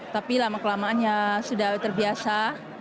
tapi lama kelamaannya sudah terbiasa